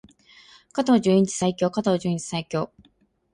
加藤純一最強！加藤純一最強！